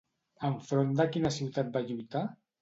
Enfront de quina ciutat va lluitar?